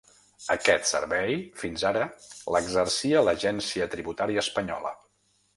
Aquest servei, fins ara l’exercia l’agència tributària espanyola.